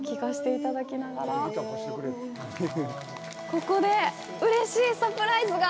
ここで、うれしいサプライズが。